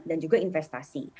dan juga investasi